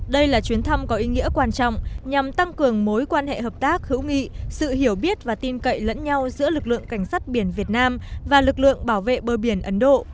đây là chuyến thăm có ý nghĩa quan trọng nhằm tăng cường mối quan hệ hợp tác hữu nghị sự hiểu biết và tin cậy lẫn nhau giữa lực lượng cảnh sát biển việt nam và lực lượng bảo vệ bờ biển ấn độ